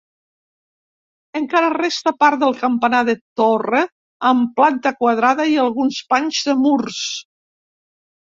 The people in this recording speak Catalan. Encara resta part del campanar de torre, amb planta quadrada, i alguns panys de murs.